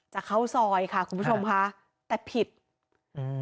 จะเข้าซอยค่ะคุณผู้ชมค่ะแต่ผิดอืม